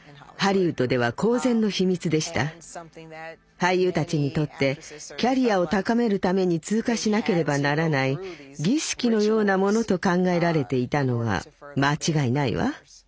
俳優たちにとってキャリアを高めるために通過しなければならない儀式のようなものと考えられていたのは間違いないわ。